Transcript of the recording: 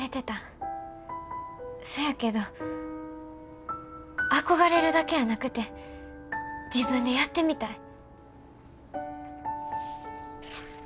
そやけど憧れるだけやなくて自分でやってみたい。